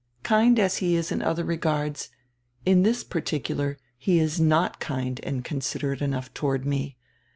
Kind as he is in other regards, in this particular he is not kind and considerate enough toward me.